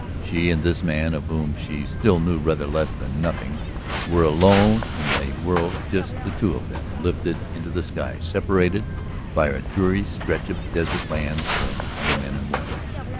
She and this man of whom she still knew rather less than nothing were alone in the world; just the two of them lifted into the sky, separated by a dreary stretch of desert lands from other men and women